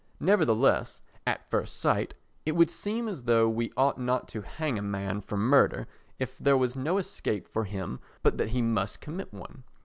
Nevertheless, at first sight, it would seem as though we ought not to hang a man for murder if there was no escape for him but that he must commit one.